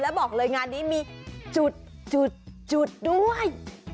บอกเลยงานนี้มีจุดด้วย